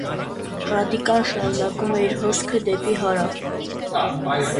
Ռադիկան շարունակում է իր հոսքը դեպի հարավ։